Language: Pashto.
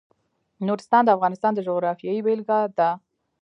نورستان د افغانستان د جغرافیې بېلګه ده.